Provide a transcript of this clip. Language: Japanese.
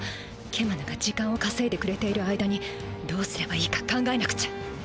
ケマヌが時間をかせいでくれている間にどうすればいいか考えなくちゃ。